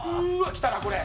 きたなこれ。